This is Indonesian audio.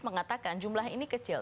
katakan jumlah ini kecil